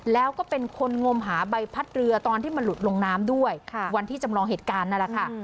แล้วก็เป็นคนงมหาใบพัดเรือตอนที่มันหลุดลงน้ำด้วยวันที่จำลองเหตุการณ์นั่นแหละค่ะ